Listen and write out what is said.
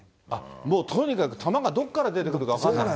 もうとにかく球がどこから出てくるか分からない？